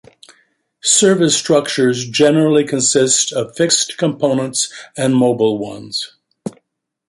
Service structures generally consist of fixed components and mobile ones.